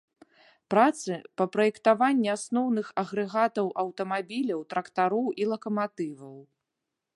Працы па праектаванні асноўных агрэгатаў аўтамабіляў, трактароў і лакаматываў.